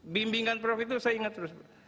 bimbingan prof itu saya ingat terus